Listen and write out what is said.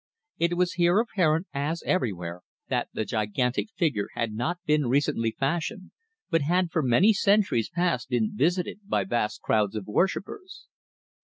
It was here apparent, as everywhere, that the gigantic figure had not been recently fashioned, but had for many centuries past been visited by vast crowds of worshippers.